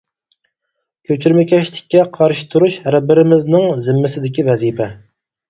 كۆچۈرمىكەشلىككە قارشى تۇرۇش ھەر بىرىمىزنىڭ زىممىسىدىكى ۋەزىپە.